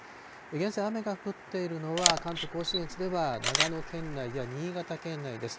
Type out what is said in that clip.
現在、雨が降っているのは関東甲信越では長野県内や新潟県内です。